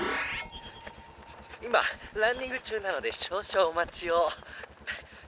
「今ランニング中なので少々おまちを」。